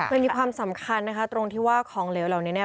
มีความสำคัญตรงที่ว่าของเหลวเหลวนี้